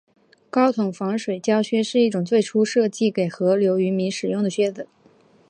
高筒防水胶靴是一种最初设计给河流渔民使用的靴子。